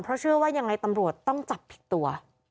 เพราะเชื่อว่ายังไงตำรวจต้องจับผิดตัว